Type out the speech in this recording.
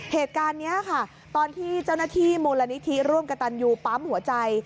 เหตุการณ์นี้ค่ะตอนที่เจ้าหน้าที่มูลนิธิร่วมกับตันยูปั๊มหัวใจ